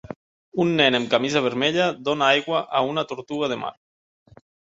Un nen amb camisa vermella dona aigua a una tortuga de mar.